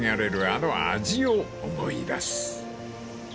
あの味を思い出す］